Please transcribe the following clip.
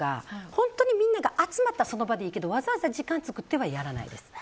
本当にみんながその場で集まった時はいいけどわざわざ時間作ってはやらないです。